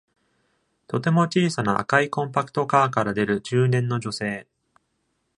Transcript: とても小さな赤いコンパクトカーから出る中年の女性。